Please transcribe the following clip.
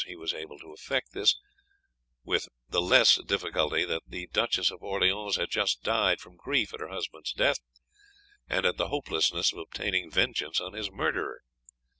He was able to effect this with the less difficulty, that the Duchess of Orleans had just died from grief at her husband's death, and at the hopelessness of obtaining vengeance on his murderer.